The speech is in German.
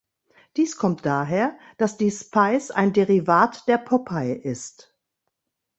Dies kommt daher, dass die Spice ein Derivat der Popeye ist.